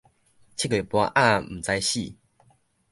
七月半鴨仔毋知死